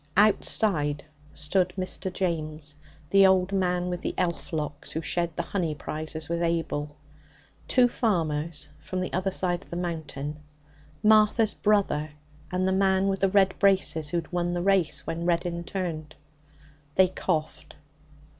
Outside stood Mr. James, the old man with the elf locks who shared the honey prizes with Abel, two farmers from the other side of the Mountain, Martha's brother, and the man with the red braces who had won the race when Reddin turned. They coughed.